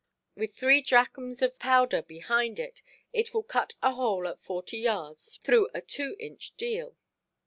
With three drachms of powder behind it, it will cut a hole at forty yards through a two–inch deal.